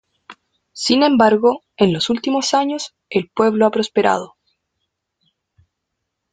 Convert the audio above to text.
Sin embargo, en los últimos años, el pueblo ha prosperado.